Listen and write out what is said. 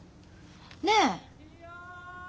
ねえ。